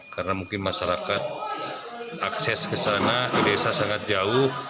karena mungkin masyarakat akses ke sana ke desa sangat jauh